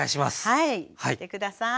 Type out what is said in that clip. はい見て下さい。